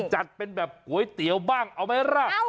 จัดเป็นแบบก๋วยเตี๋ยวบ้างเอาไหมราก